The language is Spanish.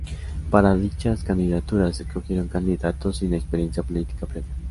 Para dichas, candidaturas se escogieron candidatos sin experiencia política previa.